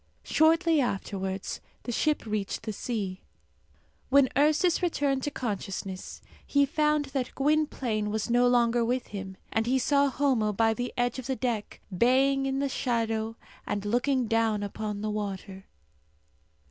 Shortly afterwards the ship reached the sea. When Ursus returned to consciousness, he found that Gwynplaine was no longer with him, and he saw Homo by the edge of the deck baying in the shadow and looking down upon the water.